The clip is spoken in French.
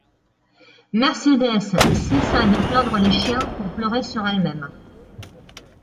Mercédès cessa de plaindre les chiens pour pleurer sur elle-même.